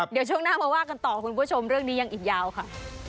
เดี๋ยวช่วงหน้ามาว่ากันต่อคุณผู้ชมเรื่องนี้ยังอีกยาวค่ะ